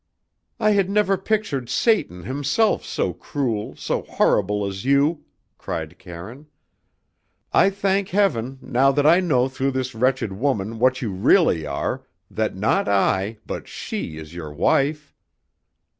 "I had never pictured Satan himself so cruel, so horrible as you," cried Karine. "I thank heaven, now that I know through this wretched woman what you really are, that not I, but she is your wife!"